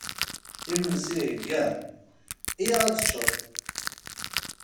Iminsi ihegga, iyya ad teččeḍ!